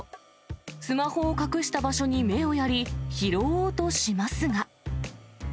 スマホを隠した場所に目をやり、拾おうとしますが。